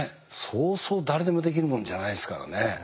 そうそう誰でもできるもんじゃないですからね。